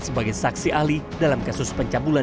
sebagai saksi ahli dalam kasus pencabulan